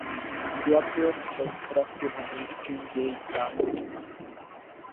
Vyjadřujeme soustrast jeho blízkým v jejich zármutku.